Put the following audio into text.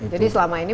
jadi selama ini